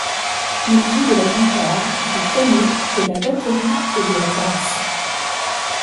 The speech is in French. Il joue de la guitare, du piano, de la batterie et de la basse.